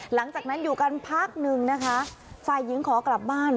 หลังจากนั้นอยู่กันพักหนึ่งนะคะฝ่ายหญิงขอกลับบ้าน